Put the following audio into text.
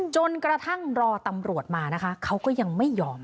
จนกระทั่งรอตำรวจมานะคะเขาก็ยังไม่ยอม